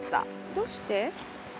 どうして？